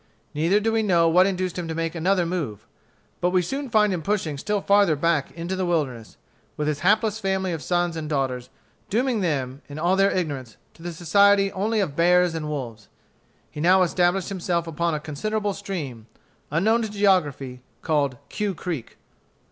Neither do we know what induced him to make another move. But we soon find him pushing still farther back into the wilderness, with his hapless family of sons and daughters, dooming them, in all their ignorance, to the society only of bears and wolves. He now established himself upon a considerable stream, unknown to geography, called Cue Creek.